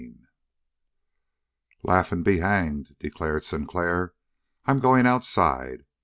11 "Laugh and be hanged," declared Sinclair. "I'm going outside.